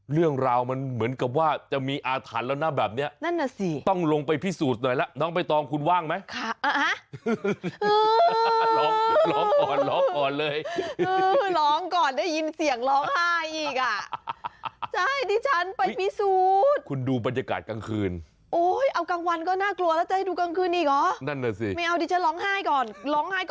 และตอนกลางคืนนะ